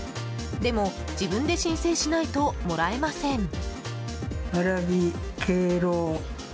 でも自分で申請しないともらえません。